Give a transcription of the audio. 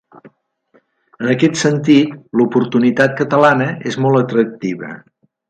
En aquest sentit, l’oportunitat catalana és molt atractiva.